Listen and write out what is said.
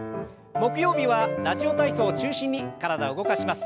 木曜日は「ラジオ体操」を中心に体を動かします。